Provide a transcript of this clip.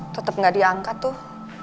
tetep gak diangkat tuh